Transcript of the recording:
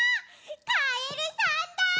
カエルさんだ！